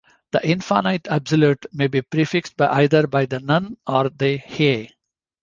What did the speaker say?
The infinitive absolute may be prefixed by either the "nun" or the "he".